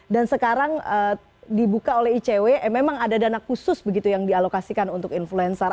dan sekarang dibuka oleh icw memang ada dana khusus begitu yang dialokasikan untuk influencer